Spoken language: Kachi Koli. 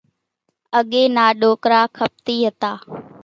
اڳيَ نا ڏوڪرا کپتِي هتا۔